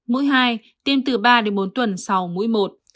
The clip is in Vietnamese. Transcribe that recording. mũi hai tiêm từ ba đến bốn tuần sau mũi một